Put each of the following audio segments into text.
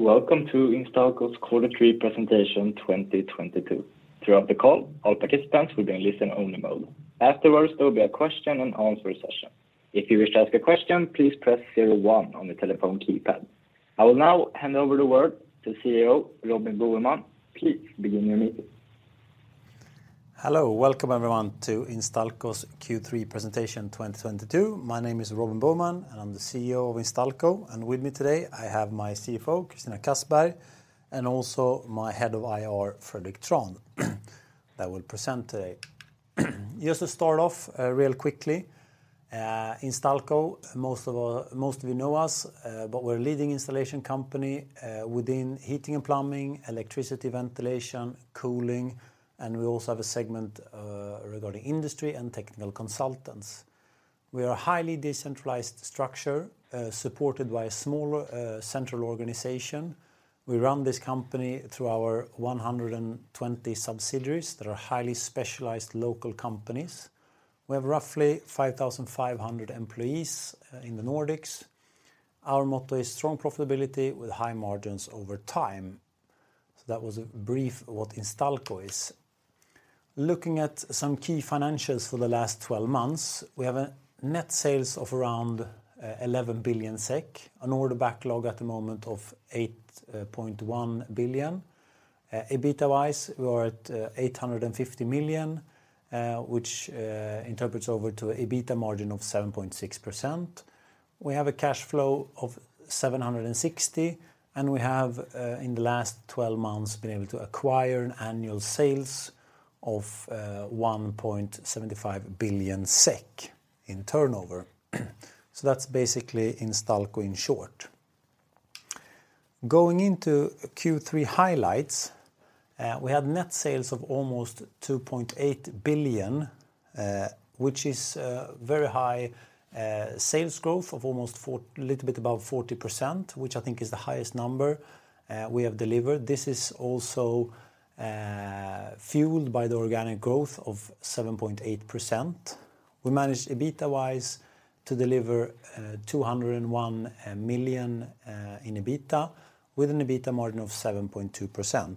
Welcome to Instalco's Quarter Three Presentation 2022. Throughout the call, all participants will be in listen only mode. Afterwards, there will be a question and answer session. If you wish to ask a question, please press zero one on your telephone keypad. I will now hand over the word to CEO Robin Boheman. Please begin your meeting. Hello. Welcome everyone to Instalco's Q3 Presentation 2022. My name is Robin Boheman, and I'm the CEO of Instalco, and with me today, I have my CFO, Christina Kassberg, and also my head of IR, Fredrik Trahn, that will present today. Just to start off, real quickly, Instalco, most of you know us, but we're a leading installation company, within heating and plumbing, electricity, ventilation, cooling, and we also have a segment, regarding industry and technical consultants. We are a highly decentralized structure, supported by a smaller, central organization. We run this company through our 120 subsidiaries that are highly specialized local companies. We have roughly 5,500 employees, in the Nordics. Our motto is strong profitability with high margins over time. That was a brief what Instalco is. Looking at some key financials for the last twelve months, we have net sales of around 11 billion SEK, an order backlog at the moment of 8.1 billion. EBITDA-wise, we're at 850 million, which translates to an EBITDA margin of 7.6%. We have a cash flow of 760 million, and we have in the last twelve months been able to acquire an annual sales of 1.75 billion SEK in turnover. That's basically Instalco in short. Going into Q3 highlights, we had net sales of almost 2.8 billion, which is very high sales growth of little bit above 40%, which I think is the highest number we have delivered. This is also fueled by the organic growth of 7.8%. We managed, EBITDA-wise, to deliver 201 million in EBITDA with an EBITDA margin of 7.2%.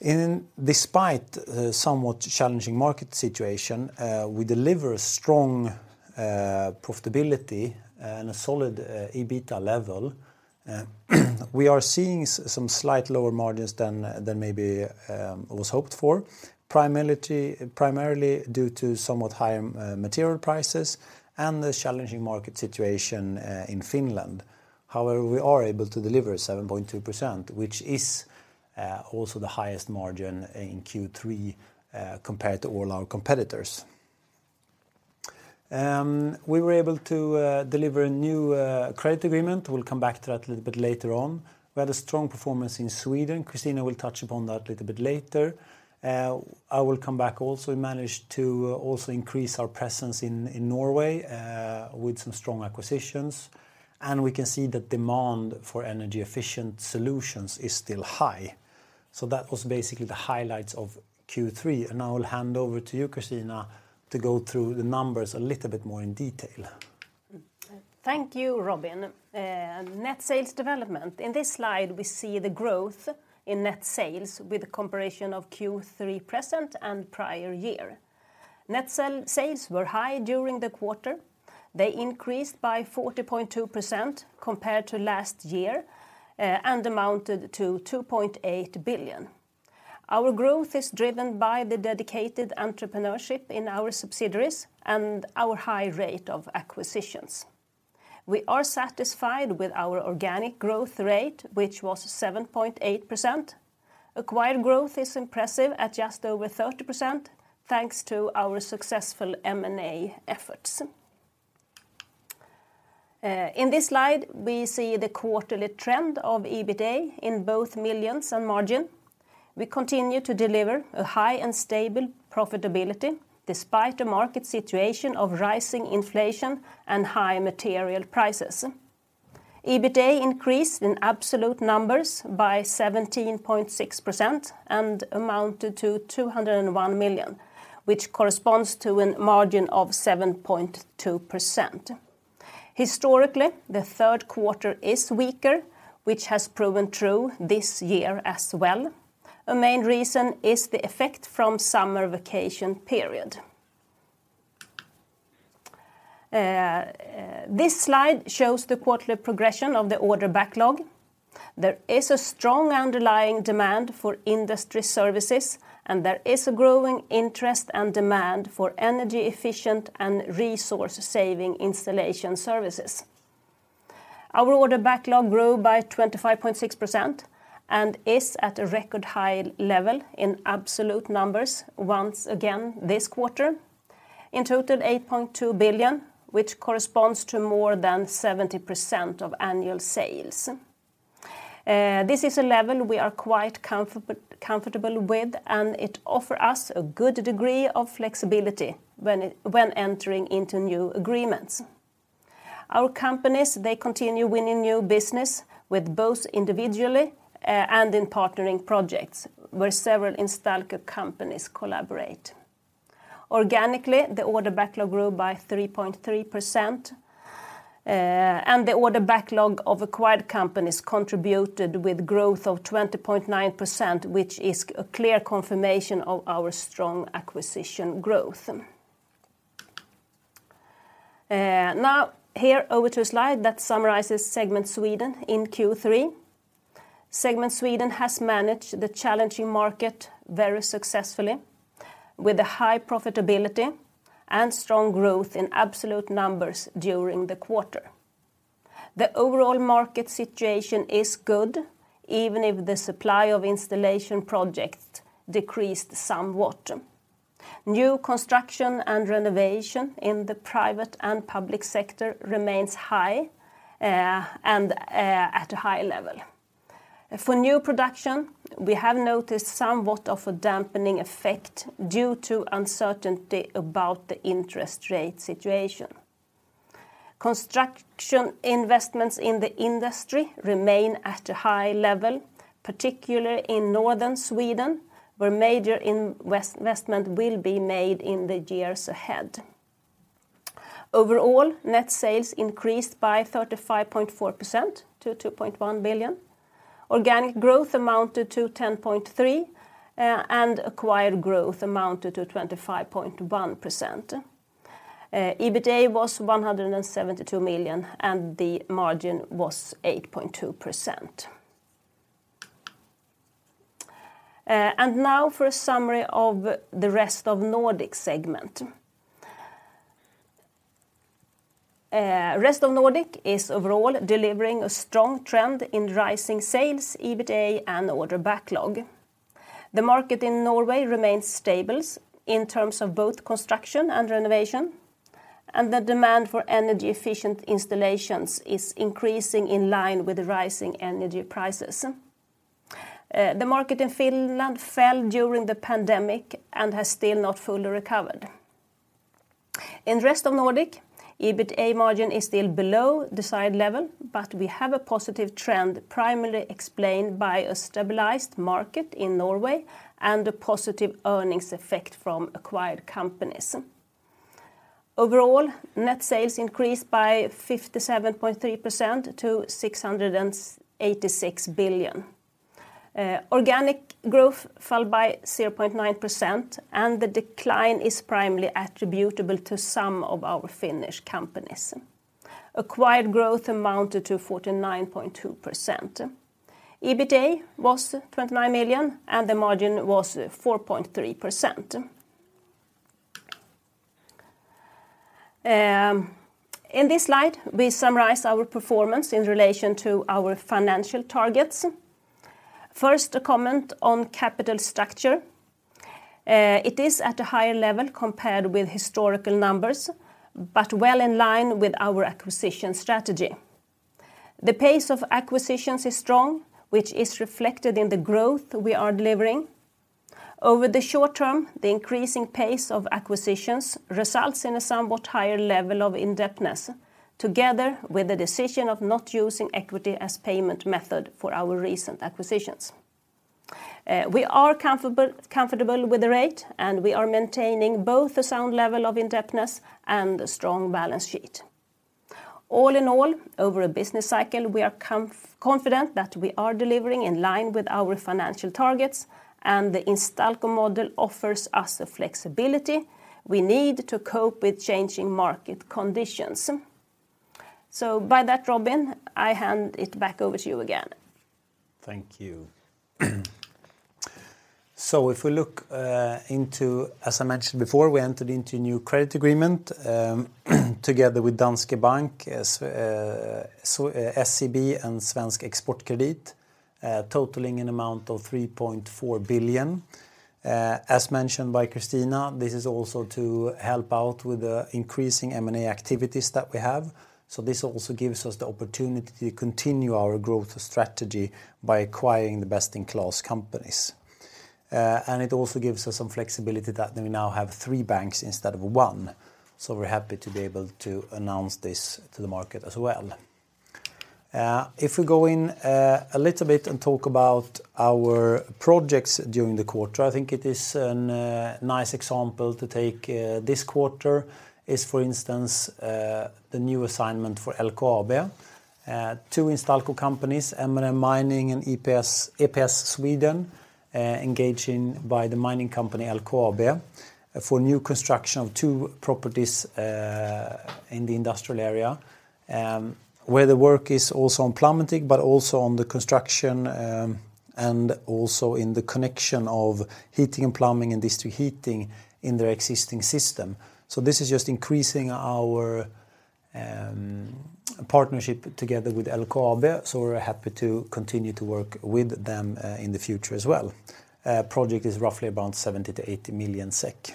In spite of the somewhat challenging market situation, we deliver a strong profitability and a solid EBITDA level. We are seeing some slight lower margins than maybe was hoped for, primarily due to somewhat higher material prices and the challenging market situation in Finland. However, we are able to deliver 7.2%, which is also the highest margin in Q3 compared to all our competitors. We were able to deliver a new credit agreement. We'll come back to that a little bit later on. We had a strong performance in Sweden. Christina will touch upon that a little bit later. I will come back. Also, we managed to also increase our presence in Norway with some strong acquisitions, and we can see the demand for energy efficient solutions is still high. That was basically the highlights of Q3, and I will hand over to you, Christina, to go through the numbers a little bit more in detail. Thank you, Robin. Net sales development. In this slide, we see the growth in net sales with a comparison of Q3 present and prior year. Net sales were high during the quarter. They increased by 40.2% compared to last year, and amounted to 2.8 billion. Our growth is driven by the dedicated entrepreneurship in our subsidiaries and our high rate of acquisitions. We are satisfied with our organic growth rate, which was 7.8%. Acquired growth is impressive at just over 30%, thanks to our successful M&A efforts. In this slide, we see the quarterly trend of EBITA in both millions and margin. We continue to deliver a high and stable profitability despite the market situation of rising inflation and high material prices. EBITA increased in absolute numbers by 17.6% and amounted to 201 million, which corresponds to a margin of 7.2%. Historically, the third quarter is weaker, which has proven true this year as well. A main reason is the effect from summer vacation period. This slide shows the quarterly progression of the order backlog. There is a strong underlying demand for industry services, and there is a growing interest and demand for energy efficient and resource-saving installation services. Our order backlog grew by 25.6% and is at a record high level in absolute numbers once again this quarter. In total, 8.2 billion, which corresponds to more than 70% of annual sales. This is a level we are quite comfortable with, and it offer us a good degree of flexibility when entering into new agreements. Our companies, they continue winning new business with both individually and in partnering projects, where several Instalco companies collaborate. Organically, the order backlog grew by 3.3%, and the order backlog of acquired companies contributed with growth of 20.9%, which is a clear confirmation of our strong acquisition growth. Now here over to a slide that summarizes segment Sweden in Q3. Segment Sweden has managed the challenging market very successfully with a high profitability and strong growth in absolute numbers during the quarter. The overall market situation is good even if the supply of installation project decreased somewhat. New construction and renovation in the private and public sector remains high at a high level. For new production, we have noticed somewhat of a dampening effect due to uncertainty about the interest rate situation. Construction investments in the industry remain at a high level, particularly in Northern Sweden, where major investment will be made in the years ahead. Overall, net sales increased by 35.4% to 2.1 billion. Organic growth amounted to 10.3%, and acquired growth amounted to 25.1%. EBITDA was 172 million, and the margin was 8.2%. Now for a summary of the Rest of Nordic segment. Rest of Nordic is overall delivering a strong trend in rising sales, EBITDA, and order backlog. The market in Norway remains stable in terms of both construction and renovation, and the demand for energy efficient installations is increasing in line with the rising energy prices. The market in Finland fell during the pandemic and has still not fully recovered. In Rest of Nordic, EBITDA margin is still below desired level, but we have a positive trend primarily explained by a stabilized market in Norway and a positive earnings effect from acquired companies. Overall, net sales increased by 57.3% to 686 million. Organic growth fell by 0.9%, and the decline is primarily attributable to some of our Finnish companies. Acquired growth amounted to 49.2%. EBITDA was 29 million, and the margin was 4.3%. In this slide, we summarize our performance in relation to our financial targets. First, a comment on capital structure. It is at a higher level compared with historical numbers, but well in line with our acquisition strategy. The pace of acquisitions is strong, which is reflected in the growth we are delivering. Over the short term, the increasing pace of acquisitions results in a somewhat higher level of indebtedness together with the decision of not using equity as payment method for our recent acquisitions. We are comfortable with the rate, and we are maintaining both a sound level of indebtedness and a strong balance sheet. All in all, over a business cycle, we are confident that we are delivering in line with our financial targets, and the Instalco model offers us the flexibility we need to cope with changing market conditions. By that, Robin, I hand it back over to you again. Thank you. If we look into, as I mentioned before, we entered into new credit agreement together with Danske Bank, SEB, and Svensk Exportkredit, totaling an amount of 3.4 billion. As mentioned by Christina, this is also to help out with the increasing M&A activities that we have. This also gives us the opportunity to continue our growth strategy by acquiring the best-in-class companies. It also gives us some flexibility that we now have three banks instead of one. We're happy to be able to announce this to the market as well. If we go in a little bit and talk about our projects during the quarter, I think it is a nice example to take this quarter, for instance, the new assignment for LKAB. Two Instalco companies, MM-Mining and EPS Sweden, engaged by the mining company, LKAB, for new construction of two properties, in the industrial area, where the work is also on plumbing, but also on the construction, and also in the connection of heating and plumbing and district heating in their existing system. This is just increasing our partnership together with LKAB, so we're happy to continue to work with them in the future as well. Project is roughly about 70 million-80 million SEK.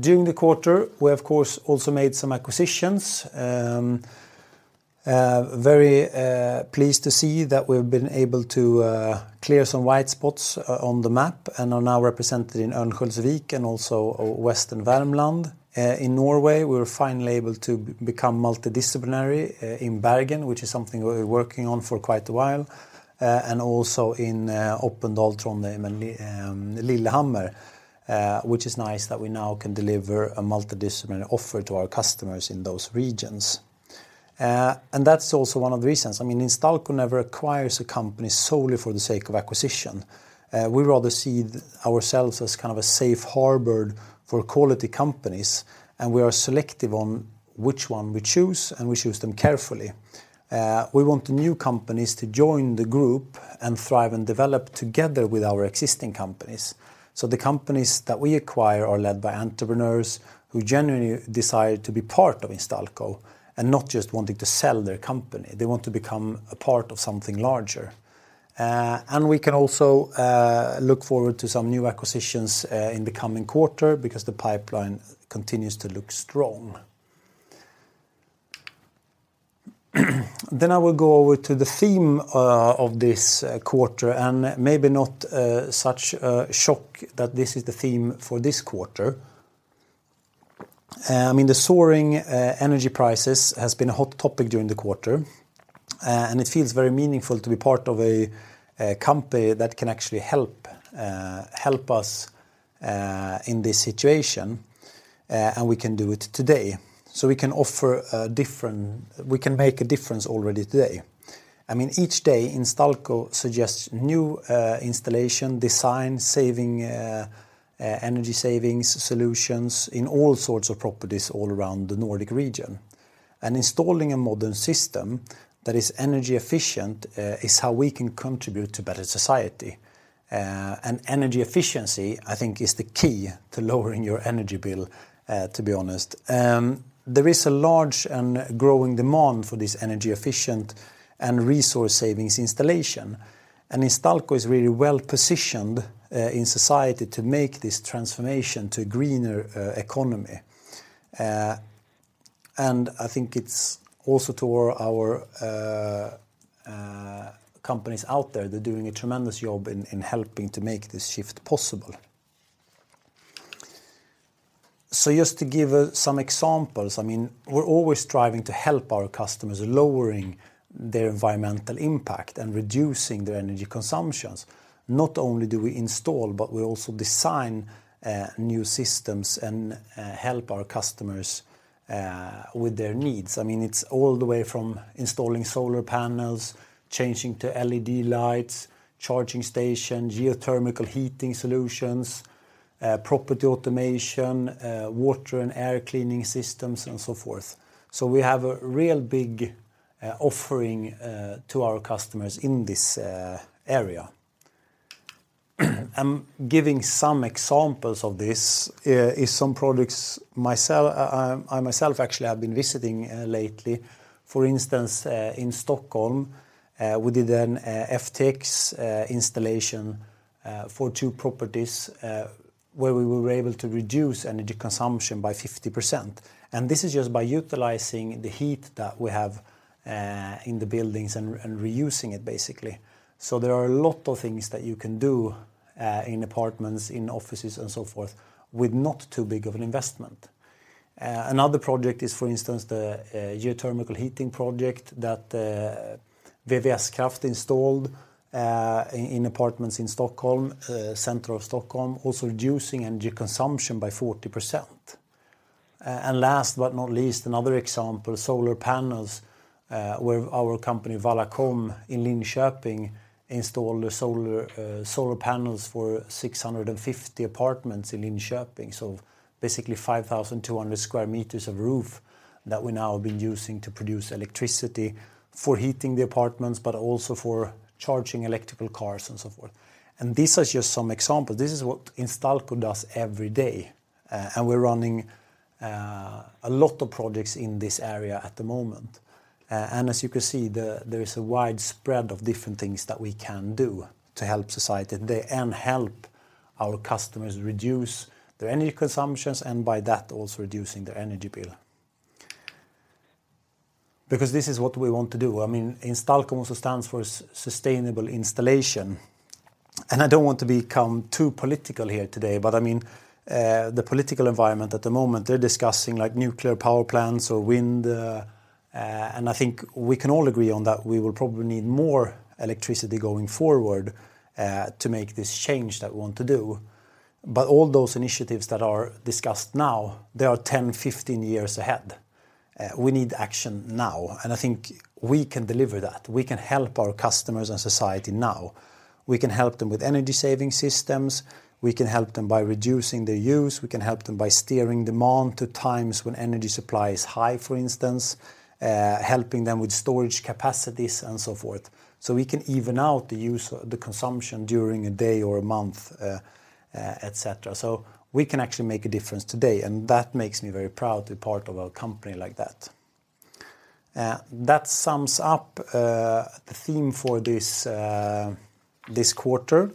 During the quarter, we of course also made some acquisitions, very pleased to see that we've been able to clear some white spots on the map and are now represented in Örnsköldsvik and also Western Värmland. In Norway, we were finally able to become multidisciplinary in Bergen, which is something we're working on for quite a while. Also in Oppdal, Trondheim, and Lillehammer, which is nice that we now can deliver a multidisciplinary offer to our customers in those regions. That's also one of the reasons. I mean, Instalco never acquires a company solely for the sake of acquisition. We rather see ourselves as kind of a safe harbor for quality companies, and we are selective on which one we choose, and we choose them carefully. We want the new companies to join the group and thrive and develop together with our existing companies. The companies that we acquire are led by entrepreneurs who genuinely decide to be part of Instalco and not just wanting to sell their company. They want to become a part of something larger. We can also look forward to some new acquisitions in the coming quarter because the pipeline continues to look strong. I will go over to the theme of this quarter and maybe not such a shock that this is the theme for this quarter. I mean, the soaring energy prices has been a hot topic during the quarter, and it feels very meaningful to be part of a company that can actually help us in this situation, and we can do it today. We can make a difference already today. I mean, each day, Instalco suggests new installation design saving energy savings solutions in all sorts of properties all around the Nordic region. Installing a modern system that is energy efficient is how we can contribute to better society. Energy efficiency, I think, is the key to lowering your energy bill, to be honest. There is a large and growing demand for this energy efficient and resource savings installation. Instalco is really well-positioned in society to make this transformation to a greener economy. I think it's also to our companies out there, they're doing a tremendous job in helping to make this shift possible. Just to give some examples, I mean, we're always striving to help our customers lowering their environmental impact and reducing their energy consumptions. Not only do we install, but we also design new systems and help our customers with their needs. I mean, it's all the way from installing solar panels, changing to LED lights, charging station, geothermal heating solutions, property automation, water and air cleaning systems, and so forth. We have a real big offering to our customers in this area. I'm giving some examples of this myself, I myself actually have been visiting lately. For instance, in Stockholm, we did an FTX installation for 2 properties where we were able to reduce energy consumption by 50%. This is just by utilizing the heat that we have in the buildings and reusing it, basically. There are a lot of things that you can do in apartments, in offices, and so forth, with not too big of an investment. Another project is, for instance, the geothermal heating project that VVS-Kraft installed in apartments in Stockholm, center of Stockholm, also reducing energy consumption by 40%. Last but not least, another example, solar panels, where our company Vallacom in Linköping installed the solar panels for 650 apartments in Linköping. Basically 5,200 sq m of roof that we're now been using to produce electricity for heating the apartments, but also for charging electric cars and so forth. These are just some examples. This is what Instalco does every day, and we're running a lot of projects in this area at the moment. As you can see, there is a widespread of different things that we can do to help society and help our customers reduce their energy consumptions and by that also reducing their energy bill. Because this is what we want to do. I mean, Instalco also stands for sustainable installation. I don't want to become too political here today, but I mean, the political environment at the moment, they're discussing like nuclear power plants or wind, and I think we can all agree on that we will probably need more electricity going forward, to make this change that we want to do. All those initiatives that are discussed now, they are 10, 15 years ahead. We need action now, and I think we can deliver that. We can help our customers and society now. We can help them with energy-saving systems. We can help them by reducing their use. We can help them by steering demand to times when energy supply is high, for instance, helping them with storage capacities, and so forth. We can even out the use, the consumption during a day or a month, et cetera. We can actually make a difference today, and that makes me very proud to be part of a company like that. That sums up the theme for this quarter,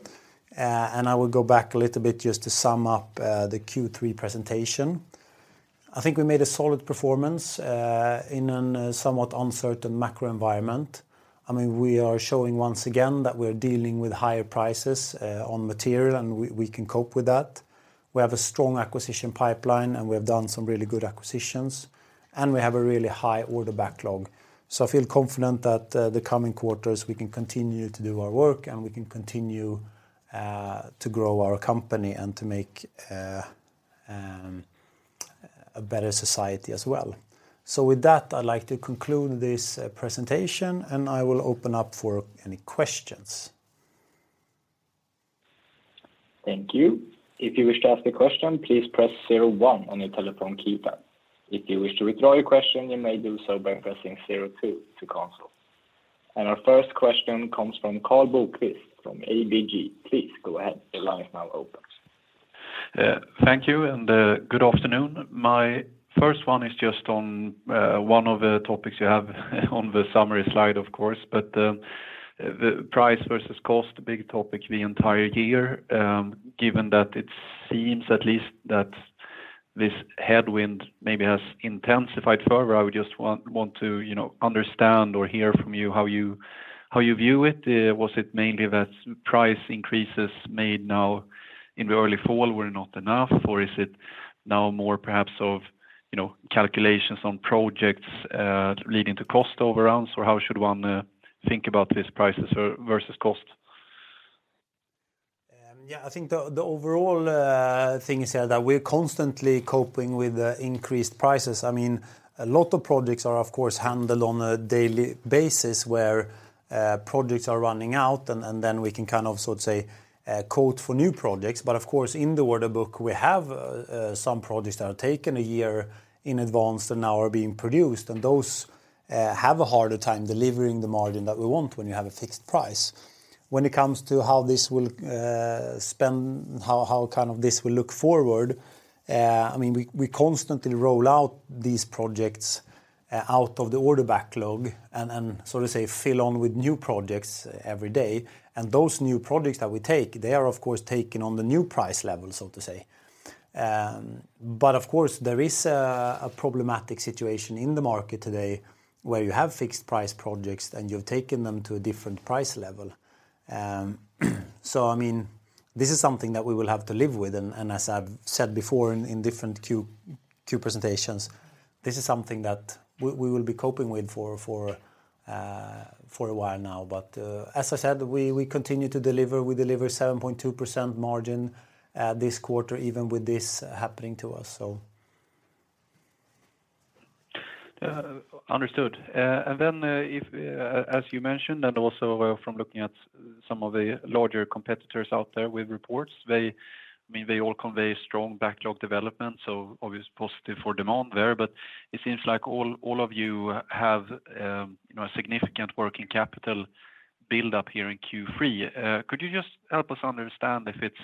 and I will go back a little bit just to sum up the Q3 presentation. I think we made a solid performance in a somewhat uncertain macro environment. I mean, we are showing once again that we're dealing with higher prices on material, and we can cope with that. We have a strong acquisition pipeline, and we have done some really good acquisitions, and we have a really high order backlog. I feel confident that the coming quarters we can continue to do our work and we can continue to grow our company and to make a better society as well. With that, I'd like to conclude this presentation, and I will open up for any questions. Thank you. If you wish to ask a question, please press zero one on your telephone keypad. If you wish to withdraw your question, you may do so by pressing zero two to cancel. Our first question comes from Karl Bokvist from ABG. Please go ahead. The line is now open. Thank you, good afternoon. My first one is just on one of the topics you have on the summary slide of course, the price versus cost, big topic the entire year. Given that it seems at least that this headwind maybe has intensified further, I would just want to, you know, understand or hear from you how you view it. Was it mainly that price increases made now in the early fall were not enough, or is it now more perhaps of, you know, calculations on projects leading to cost overruns, or how should one think about this prices or versus cost? Yeah, I think the overall thing is that we're constantly coping with the increased prices. I mean, a lot of projects are of course handled on a daily basis where projects are running out and then we can kind of sort of say quote for new projects. Of course, in the order book, we have some projects that are taken a year in advance and now are being produced, and those have a harder time delivering the margin that we want when you have a fixed price. When it comes to how kind of this will look forward, I mean, we constantly roll out these projects out of the order backlog and so to say fill in with new projects every day, and those new projects that we take, they are of course taken on the new price level, so to say. But of course, there is a problematic situation in the market today where you have fixed price projects and you've taken them to a different price level. So I mean, this is something that we will have to live with, and as I've said before in different Q presentations, this is something that we will be coping with for a while now. As I said, we continue to deliver. We deliver 7.2% margin this quarter even with this happening to us, so. Understood. As you mentioned, and also from looking at some of the larger competitors out there with reports, they, I mean, they all convey strong backlog development, so obvious positive for demand there. It seems like all of you have, you know, a significant working capital build-up here in Q3. Could you just help us understand if it's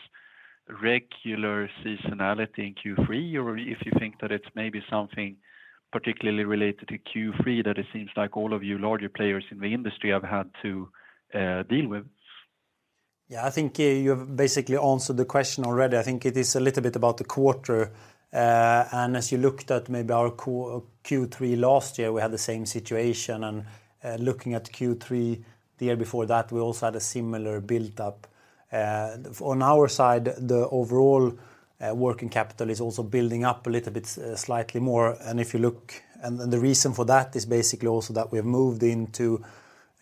regular seasonality in Q3, or if you think that it's maybe something particularly related to Q3 that it seems like all of you larger players in the industry have had to deal with? Yeah. I think you've basically answered the question already. I think it is a little bit about the quarter. As you looked at maybe our Q3 last year, we had the same situation, and looking at Q3 the year before that, we also had a similar build-up. On our side, the overall working capital is also building up a little bit, slightly more. The reason for that is basically also that we've moved into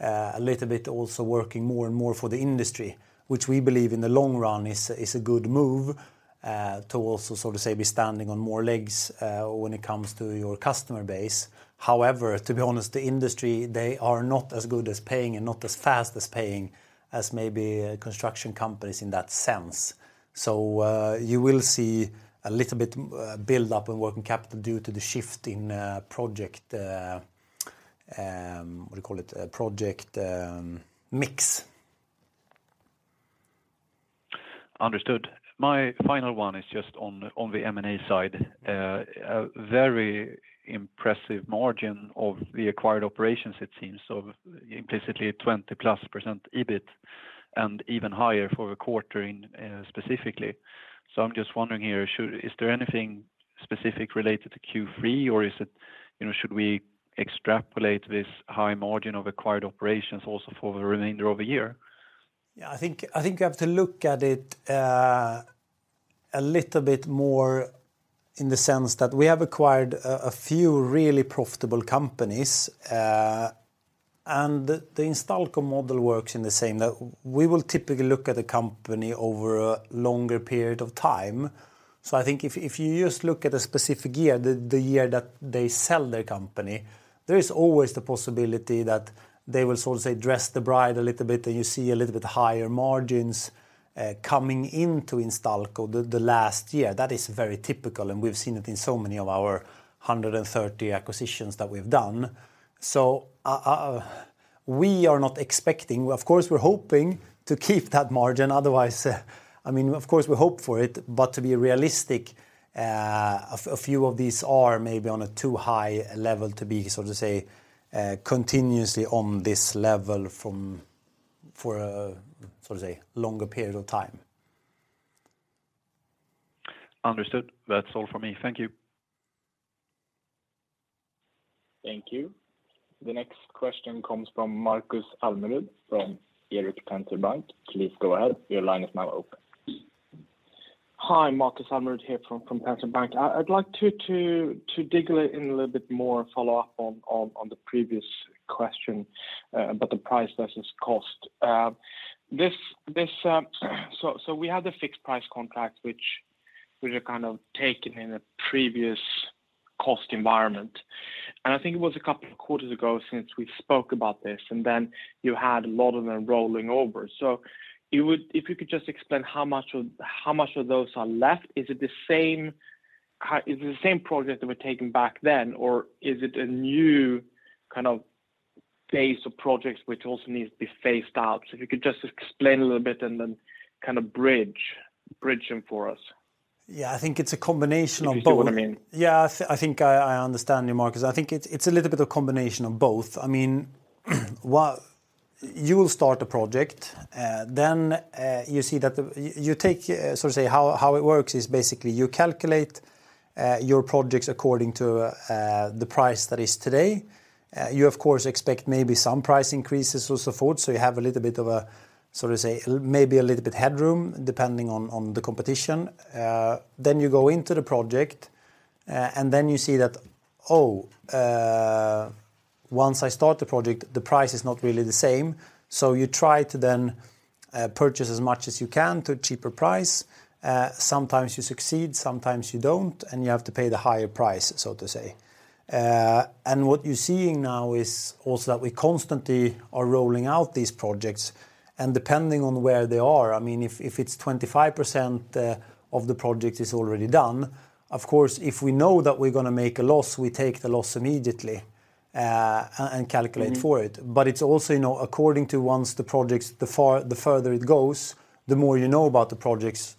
a little bit also working more and more for the industry, which we believe in the long run is a good move to also sort of say be standing on more legs when it comes to your customer base. However, to be honest, the industry, they are not as good as paying and not as fast as paying as maybe construction companies in that sense. You will see a little bit build-up in working capital due to the shift in project mix. Understood. My final one is just on the M&A side. A very impressive margin of the acquired operations it seems, so implicitly 20%+ EBIT and even higher for the quarter in specifically. I'm just wondering here. Is there anything specific related to Q3, or is it, you know, should we extrapolate this high margin of acquired operations also for the remainder of the year? Yeah. I think you have to look at it a little bit more in the sense that we have acquired a few really profitable companies, and the Instalco model works in the same. We will typically look at a company over a longer period of time. I think if you just look at a specific year, the year that they sell their company, there is always the possibility that they will sort of, say, dress the bride a little bit, and you see a little bit higher margins coming into Instalco the last year. That is very typical, and we've seen it in so many of our 130 acquisitions that we've done. We are not expecting. Of course, we're hoping to keep that margin, otherwise. I mean, of course, we hope for it, but to be realistic. A few of these are maybe on a too high level to be, so to say, continuously on this level for a so to say longer period of time. Understood. That's all for me. Thank you. Thank you. The next question comes from Markus Almerud from Erik Penser Bank. Please go ahead. Your line is now open. Hi, Markus Almerud here from Erik Penser Bank. I'd like to dig a little bit more follow-up on the previous question about the price versus cost. We had the fixed price contract, which are kind of taken in a previous cost environment. I think it was a couple of quarters ago since we spoke about this, then you had a lot of them rolling over. You would if you could just explain how much of those are left? Is it the same project that were taken back then, or is it a new kind of phase of projects which also needs to be phased out? If you could just explain a little bit and then kind of bridge them for us. Yeah. I think it's a combination of both. If you see what I mean. Yeah. I think I understand you, Markus. I think it's a little bit of a combination of both. I mean, you will start a project, then you see that the you take, so to say, how it works is basically you calculate your projects according to the price that is today. You of course expect maybe some price increases or so forth, so you have a little bit of a, so to say, maybe a little bit headroom depending on the competition. Then you go into the project, and then you see that, once I start the project, the price is not really the same, so you try to then purchase as much as you can to a cheaper price. Sometimes you succeed, sometimes you don't, and you have to pay the higher price, so to say. What you're seeing now is also that we constantly are rolling out these projects, and depending on where they are, I mean, if it's 25% of the project is already done, of course, if we know that we're gonna make a loss, we take the loss immediately, and calculate for it. It's also, you know, according to how the projects, the further it goes, the more you know about the projects.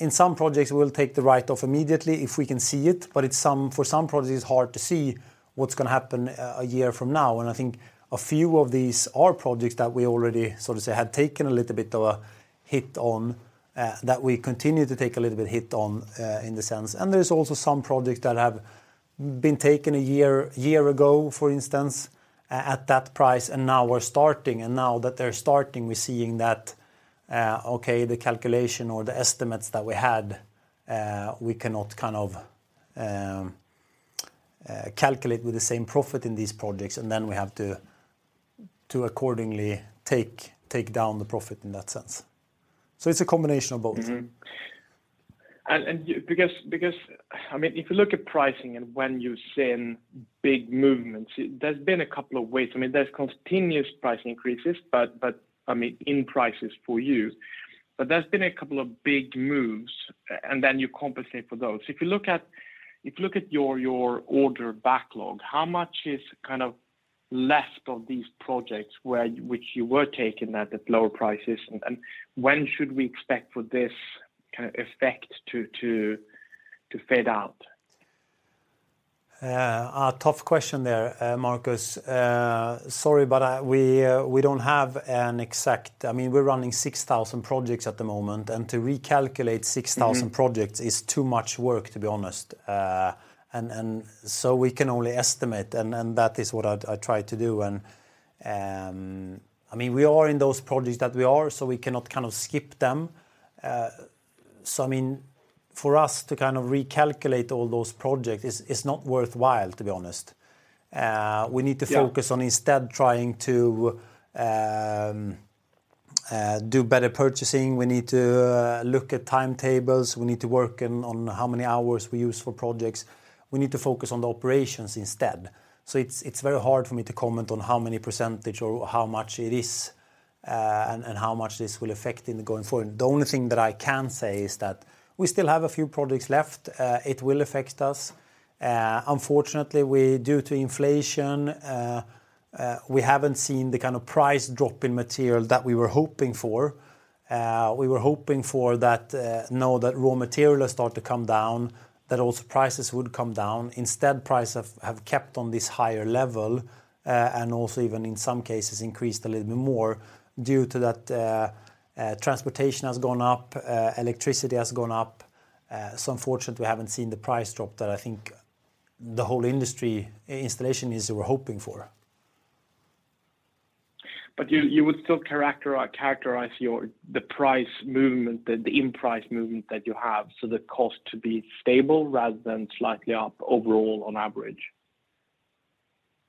In some projects, we'll take the write-off immediately if we can see it, but for some projects it's hard to see what's gonna happen a year from now. I think a few of these are projects that we already, so to say, had taken a little bit of a hit on, that we continue to take a little bit hit on, in the sense. There's also some projects that have been taken a year ago, for instance, at that price, and now we're starting, and now that they're starting, we're seeing that, okay, the calculation or the estimates that we had, we cannot kind of calculate with the same profit in these projects, and then we have to accordingly take down the profit in that sense. It's a combination of both. Mm-hmm. Because I mean, if you look at pricing and when you've seen big movements, there's been a couple of ways. I mean, there's continuous price increases, but I mean, in prices for you. But there's been a couple of big moves, and then you compensate for those. If you look at your order backlog, how much is kind of left of these projects which you were taking at lower prices? When should we expect for this kind of effect to fade out? A tough question there, Markus. Sorry, but we don't have an exact. I mean, we're running 6,000 projects at the moment, and to recalculate 6,000 projects is too much work, to be honest. We can only estimate, and that is what I tried to do. I mean, we are in those projects that we are, so we cannot kind of skip them. I mean, for us to kind of recalculate all those projects is not worthwhile, to be honest. We need to focus. Yeah on instead trying to do better purchasing. We need to look at timetables. We need to work on how many hours we use for projects. We need to focus on the operations instead. It's very hard for me to comment on how many percentage or how much it is, and how much this will affect going forward. The only thing that I can say is that we still have a few projects left. It will affect us. Unfortunately, due to inflation, we haven't seen the kind of price drop in material that we were hoping for. We were hoping for that, now that raw material has started to come down, that also prices would come down. Instead, prices have kept on this higher level, and also even in some cases increased a little bit more due to that, transportation has gone up, electricity has gone up. Unfortunately, we haven't seen the price drop that I think the whole installation industry is, we're hoping for. You would still characterize the price movement, the input price movement that you have, so the cost to be stable rather than slightly up overall on average?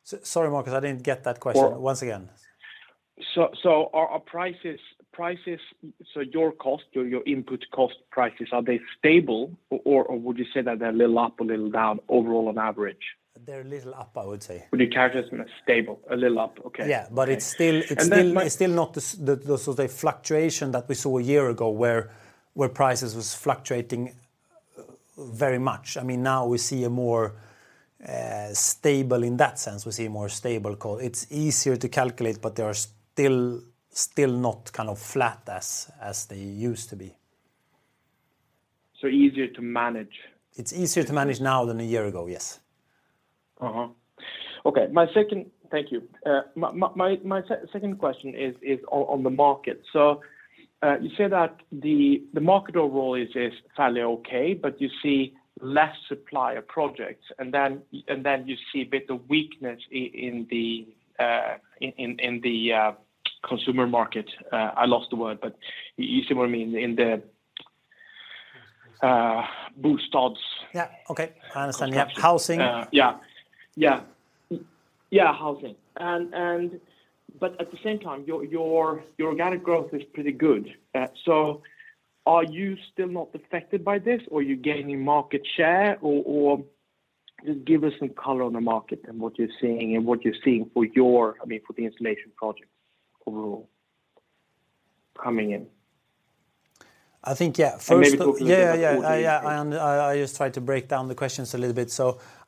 Sorry, Markus, I didn't get that question. Or- Once again. Are prices so your cost, your input cost prices, are they stable or would you say that they're a little up, a little down overall on average? They're a little up, I would say. Would you characterize them as stable? A little up. Okay. Yeah. Okay. But it's still- And then- It's still not the fluctuation that we saw a year ago where prices was fluctuating very much. I mean, now we see a more stable in that sense, we see a more stable call. It's easier to calculate, but they are still not kind of flat as they used to be. Easier to manage? It's easier to manage now than a year ago, yes. My second question is on the market. You say that the market overall is fairly okay, but you see less supplier projects, and then you see a bit of weakness in the consumer market. I lost the word, but you see what I mean, in the bostäder. Yeah. Okay. I understand. Yep. Housing. Housing. But at the same time, your organic growth is pretty good. So are you still not affected by this, or are you gaining market share, or just give us some color on the market and what you're seeing, and what you're seeing for your, I mean, for the installation projects overall coming in. I think, yeah. Maybe talk a little bit about Q2 as well. Yeah, yeah. I just try to break down the questions a little bit.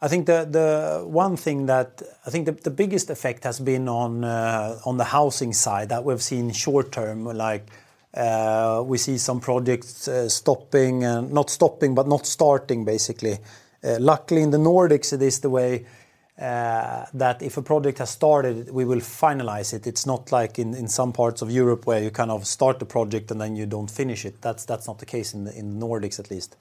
I think the one thing that I think the biggest effect has been on the housing side that we've seen short term, like, we see some projects not starting, basically. Luckily in the Nordics it is the way that if a project has started, we will finalize it. It's not like in some parts of Europe where you kind of start the project and then you don't finish it. That's not the case in Nordics at least.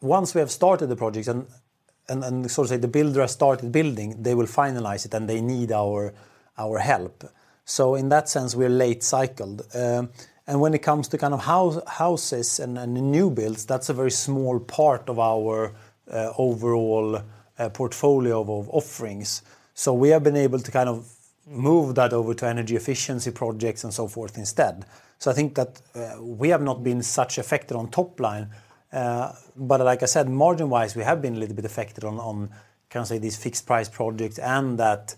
Once we have started the project and so say the builder has started building, they will finalize it, and they need our help. In that sense, we are late cycled. When it comes to kind of houses and new builds, that's a very small part of our overall portfolio of offerings. We have been able to kind of move that over to energy efficiency projects and so forth instead. I think that we have not been such affected on top line. But like I said, margin-wise, we have been a little bit affected on kind of say these fixed price projects, and that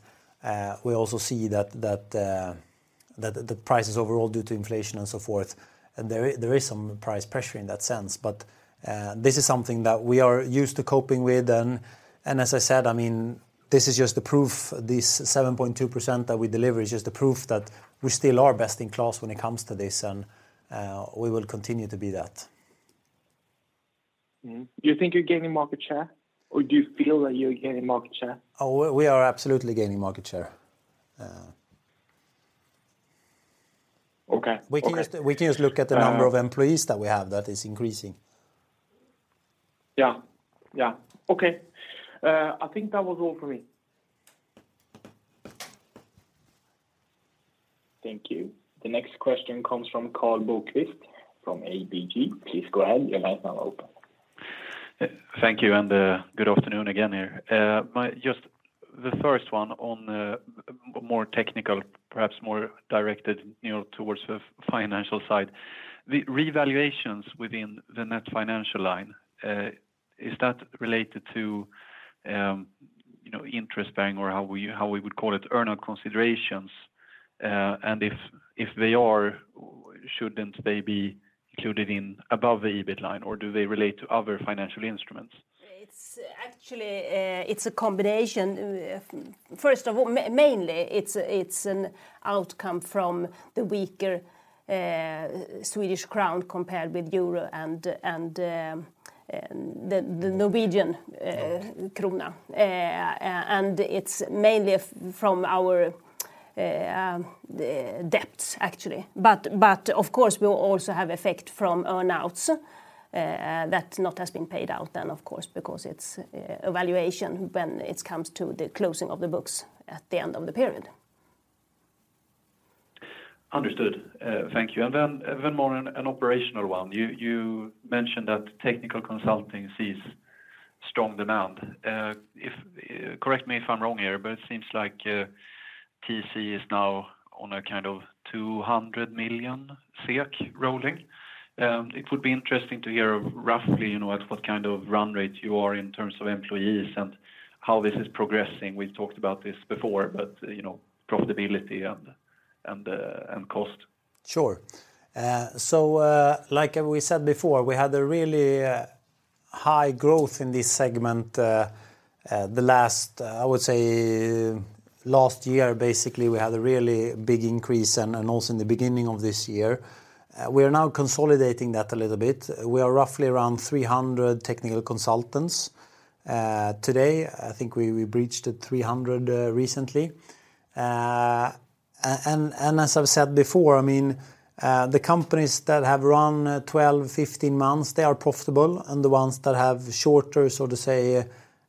we also see that the prices overall due to inflation and so forth, and there is some price pressure in that sense. This is something that we are used to coping with and as I said, I mean, this is just the proof, this 7.2% that we deliver is just the proof that we still are best in class when it comes to this and we will continue to be that. Do you think you're gaining market share, or do you feel that you're gaining market share? Oh, we are absolutely gaining market share. Okay. Okay. We can just look at the number of employees that we have that is increasing. Yeah. Okay. I think that was all for me. Thank you. The next question comes from Karl Bokvist from ABG. Please go ahead. Your line is now open. Thank you, good afternoon again here. Just the first one on more technical, perhaps more directed, you know, towards the financial side. The revaluations within the net financial line, is that related to interest payments or how we would call it, earn-out considerations? If they are, shouldn't they be included above the EBIT line, or do they relate to other financial instruments? It's actually a combination. First of all, mainly it's an outcome from the weaker Swedish krona compared with euro and the Norwegian krona. And it's mainly from our debts actually. Of course we also have effect from earn-outs that not has been paid out then of course, because it's valuation when it comes to the closing of the books at the end of the period. Understood. Thank you. Even more an operational one. You mentioned that technical consulting sees strong demand. Correct me if I'm wrong here, but it seems like TC is now on a kind of 200 million SEK rolling. It would be interesting to hear roughly, you know, at what kind of run rate you are in terms of employees and how this is progressing. We've talked about this before, but you know, profitability and cost. Sure. Like we said before, we had a really high growth in this segment in the last year basically. We had a really big increase and also in the beginning of this year. We are now consolidating that a little bit. We are roughly around 300 technical consultants today. I think we breached 300 recently. And as I've said before, I mean, the companies that have run 12, 15 months, they are profitable, and the ones that have shorter, so to say,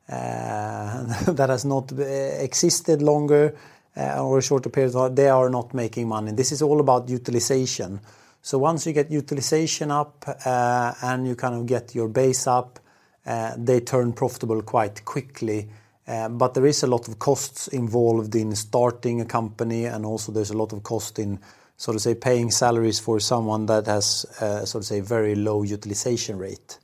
that has not existed longer or a shorter period, they are not making money. This is all about utilization. Once you get utilization up and you kind of get your base up, they turn profitable quite quickly. There is a lot of costs involved in starting a company, and also there's a lot of cost in so to speak paying salaries for someone that has so to speak very low utilization rate.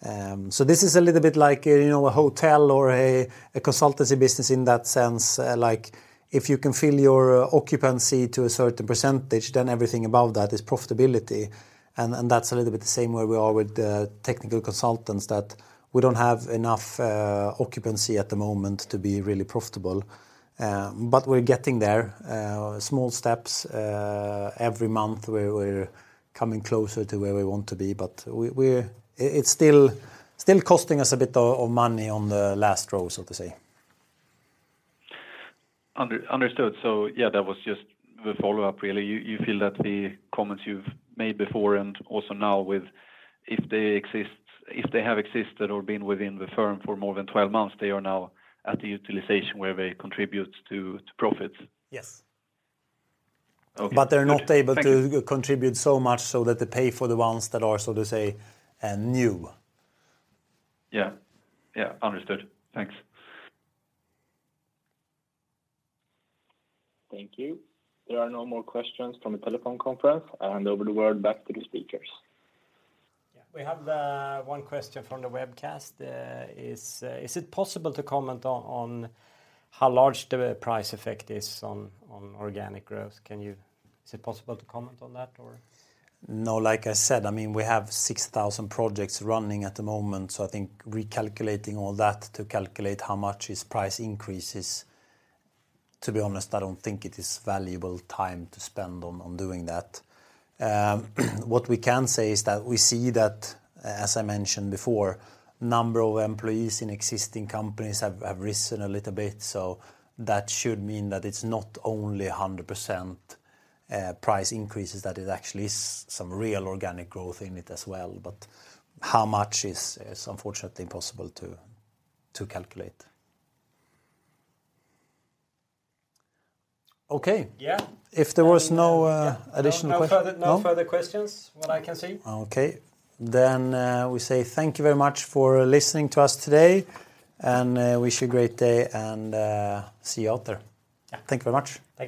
This is a little bit like a you know a hotel or a consultancy business in that sense. Like if you can fill your occupancy to a certain percentage, then everything above that is profitability. That's a little bit the same way we are with the technical consultants, that we don't have enough occupancy at the moment to be really profitable. We're getting there, small steps every month where we're coming closer to where we want to be, but it's still costing us a bit of money on the bottom line, so to speak. Understood. Yeah, that was just the follow-up really. You feel that the comments you've made before and also now with if they have existed or been within the firm for more than 12 months, they are now at the utilization where they contribute to profits? Yes. Okay. They're not able to. Thank you. Contribute so much so that they pay for the ones that are, so to say, new. Yeah. Yeah. Understood. Thanks. Thank you. There are no more questions from the telephone conference. I hand over the word back to the speakers. Yeah. We have one question from the webcast. Is it possible to comment on how large the price effect is on organic growth? Is it possible to comment on that or? No, like I said, I mean, we have 6,000 projects running at the moment, so I think recalculating all that to calculate how much is price increases, to be honest, I don't think it is valuable time to spend on doing that. What we can say is that we see that, as I mentioned before, number of employees in existing companies have risen a little bit, so that should mean that it's not only 100% price increases, that it actually is some real organic growth in it as well. But how much is unfortunately impossible to calculate. Okay. Yeah. If there was no. Yeah... additional que- No further- No? No further questions, what I can see. Okay. We say thank you very much for listening to us today, and wish you a great day and see you out there. Yeah. Thank you very much.